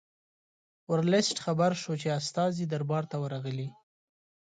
ورلسټ خبر شو چې استازي دربار ته ورغلي.